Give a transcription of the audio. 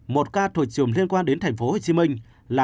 một ca thuộc trùm liên quan đến tp hcm là nht